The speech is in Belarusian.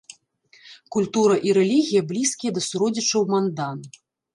Культура і рэлігія блізкія да суродзічаў-мандан.